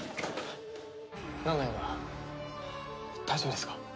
大丈夫ですか？